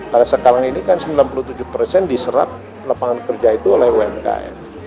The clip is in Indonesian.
karena sekarang ini kan sembilan puluh tujuh diserap lapangan kerja itu oleh umkm